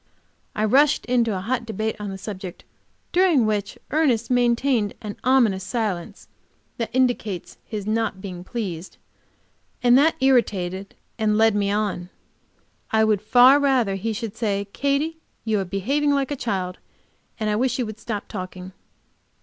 I rushed into a hot debate on the subject, during which Ernest maintained that ominous silence that indicates his not being pleased, and it irritated and led me on. I would far rather he should say, "Katy, you are behaving like a child and I wish you would stop talking."